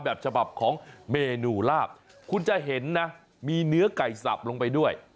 แบบฉบับของเมนูลาบคุณจะเห็นนะมีเนื้อไก่สับลงไปด้วย